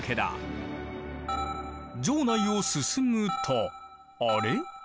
城内を進むとあれ？